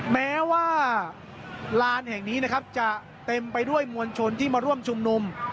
แม้ว่าลานแห่งนี้นะครับจะเต็มไปด้วยมวลชนที่มาร่วมชุมนุม